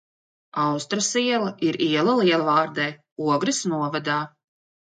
Austras iela ir iela Lielvārdē, Ogres novadā.